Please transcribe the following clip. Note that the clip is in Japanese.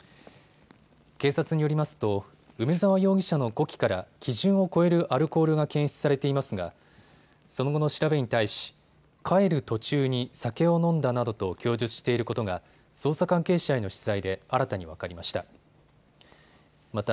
警察によりますと梅澤容疑者の呼気から基準を超えるアルコールが検出されていますがその後の調べに対し帰る途中に酒を飲んだなどと供述していることが捜査関係者への取材で新たに分かりました。